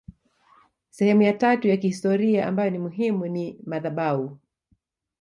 Sehemu ya tatu ya kihistoria ambayo ni muhimu ni madhabahu